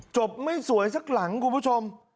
จบไม่สวยสักหลังครับคุณผู้ชม